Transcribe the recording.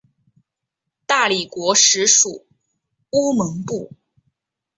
大理国时属乌蒙部。